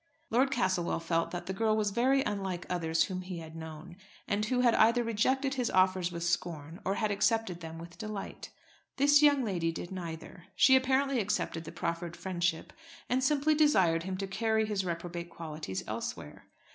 Lord Castlewell felt that the girl was very unlike others whom he had known, and who had either rejected his offers with scorn or had accepted them with delight. This young lady did neither. She apparently accepted the proffered friendship, and simply desired him to carry his reprobate qualities elsewhere.